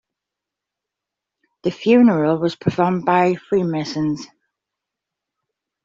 The funeral was performed by Freemasons.